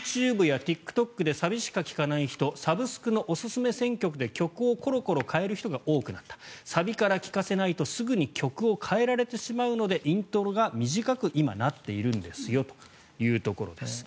ＹｏｕＴｕｂｅやＴｉｋＴｏｋでサビしか聴かない人サブスクのおすすめ選曲で曲をころころ変える人が多くなったサビから聴かせないとすぐに曲を変えられてしまうのでイントロが短くなっているんですよということです。